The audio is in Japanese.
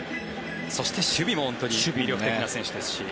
そして守備も魅力的な選手ですし。